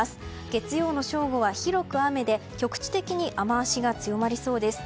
月曜の正午は広く雨で局地的に雨脚が強まりそうです。